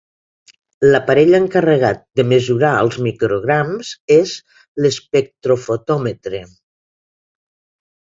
L'aparell encarregat de mesurar els micrograms és l'espectrofotòmetre.